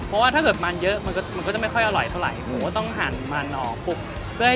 เพราะว่าถ้าเกิดมันเยอะมันก็จะไม่ค่อยอร่อยเท่าไหร่หมูก็ต้องหั่นมันออกคลุก